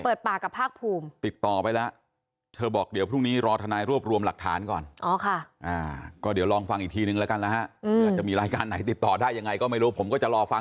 ปากกับภาคภูมิติดต่อไปแล้วเธอบอกเดี๋ยวพรุ่งนี้รอทนายรวบรวมหลักฐานก่อน